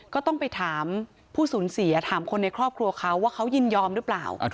ก็ต้องไปถามผู้สูญเสียถามคนในครอบครัวเขาว่าเขายินยอมหรือเปล่า